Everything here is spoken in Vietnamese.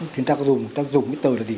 chúng ta có dùng cái tờ là gì